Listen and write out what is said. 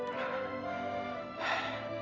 sampai jumpa lagi